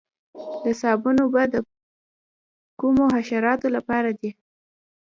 د صابون اوبه د کومو حشراتو لپاره دي؟